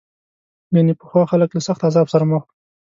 ګنې پخوا خلک له سخت عذاب سره مخ وو.